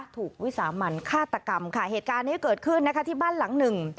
ถูกวิสามันฆาตกรรมค่ะเหตุการณ์นี้เกิดขึ้นนะคะที่บ้านหลังหนึ่ง